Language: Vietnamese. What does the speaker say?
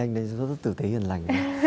thế nhưng anh lê anh này rất tử tế hiền lành